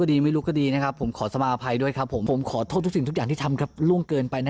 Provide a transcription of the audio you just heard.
อันนี้เรื่องใหญ่แล้วครับผมว่าไม่ใช่ร้อนเล่นนะ